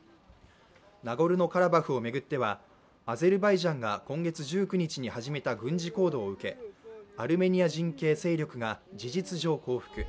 ナゴルノ・カラバフを巡ってはアゼルバイジャンが今月１９日に始めた軍事行動を受け、アルメニア人系勢力が事実上降伏。